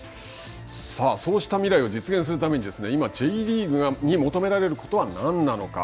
さあそうした未来を実現するために今Ｊリーグに求められることは何なのか。